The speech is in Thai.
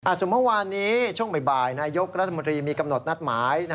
อ่ะสมมติวาร์นี้ช่วงบ่ายนายโยกรัฐมนตรีมีกำหนดนัดหมาย